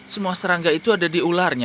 semua serangga itu ada di ularnya